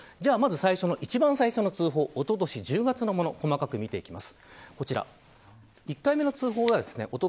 一番最初の通報おととし１０月のもの細かく見ていきます。